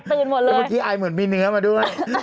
แตกตื่นหมดเลยครึ่งที่ไอเหมือนมีเนื้อมาด้วย